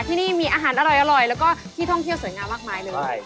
ที่นี่มีอาหารอร่อยแล้วก็ที่ท่องเที่ยวสวยงามมากมายเลย